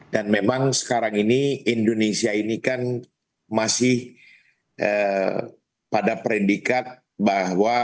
dan memang sekarang ini indonesia ini kan masih pada perindikat bahwa